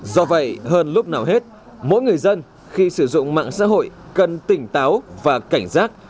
do vậy hơn lúc nào hết mỗi người dân khi sử dụng mạng xã hội cần tỉnh táo và cảnh giác